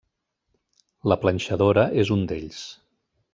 La planxadora és un d'ells.